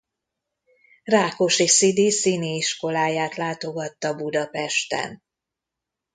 Rákosi Szidi színiiskoláját látogatta Budapesten.